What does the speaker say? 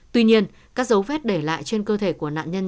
tuy nhiên các dấu vết để lại trên cơ thể của nạn nhân